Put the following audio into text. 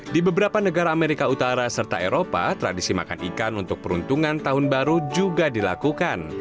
di beberapa negara amerika utara serta eropa tradisi makan ikan untuk peruntungan tahun baru juga dilakukan